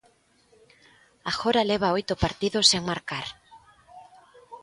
Agora leva oito partidos sen marcar.